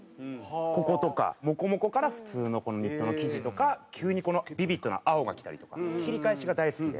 こことかモコモコから普通のこのニットの生地とか急にこのビビッドな青がきたりとか切り返しが大好きで。